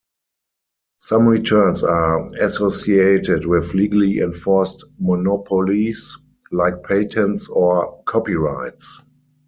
Some returns are associated with legally enforced monopolies like patents or copyrights.